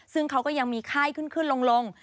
ซึ่งเขาก็ยังมีไข้ขึ้นขึ้นลง